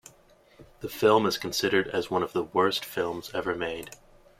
The film is considered as one of the worst films ever made.